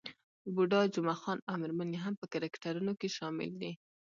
بوډا جمعه خان او میرمن يې هم په کرکټرونو کې شامل دي.